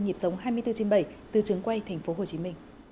nhịp sống hai mươi bốn trên bảy từ trường quay tp hcm